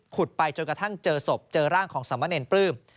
ไปจนกระทั่งเจอศพเจอร่างของสามะเนรปลื้ม